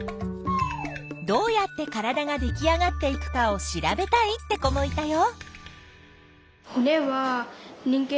どうやって体ができあがっていくかを調べたいって子もいたよ。